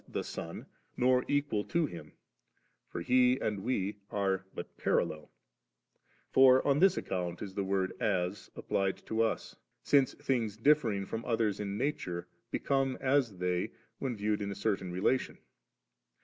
the Son, nor equal to Him ; for He and we are but parallel For on this account is the word * as ' applied to us ; since things differing from others in natiu^, become as they, when viewed in a certain relation